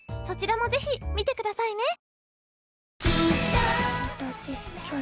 そちらもぜひ見てくださいね。